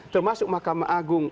termasuk makam agung